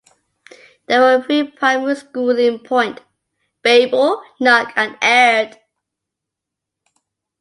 There were three primary schools in Point: Bayble, Knock and Aird.